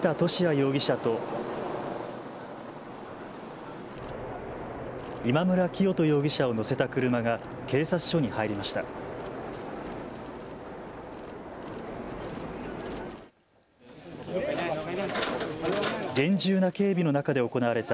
容疑者と今村磨人容疑者を乗せた車が警察署に入りました。